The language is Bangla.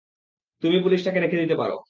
তুমি পুলিশটাকে রেখে দিতে পারো।